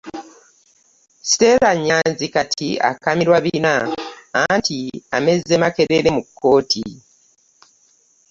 Stella Nnyanzi kati akamirwa bina anti amezze Makerere mu kkooti.